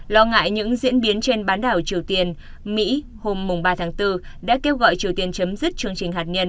lo ngại những diễn biến trên bán đảo triều tiên mỹ hôm ba tháng bốn đã kêu gọi triều tiên chấm dứt chương trình hạt nhân